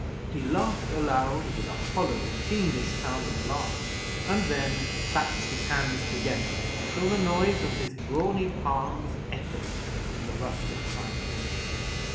He laughed aloud, with a hollow, fiendish sounding laugh, and then clapped his hands together till the noise of his brawny palms echoed in the rustic silence.